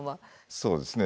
そうですね。